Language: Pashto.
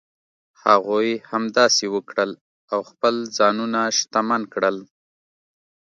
هغوی همداسې وکړل او خپل ځانونه شتمن کړل.